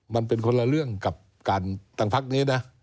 มันเป็นคนละเรื่องกับตั้งภักษ์นี้นะ